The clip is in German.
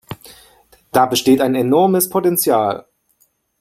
Da besteht ein enormes Potenzial.